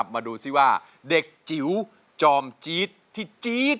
มาดูซิว่าเด็กจิ๋วจอมจี๊ดที่จี๊ด